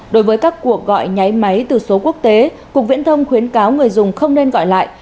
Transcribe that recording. đối với các cuộc gọi nháy máy từ số quốc tế cục viễn thông khuyến cáo người dùng không nên gọi lại